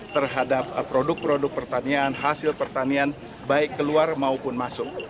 terhadap produk produk pertanian hasil pertanian baik keluar maupun masuk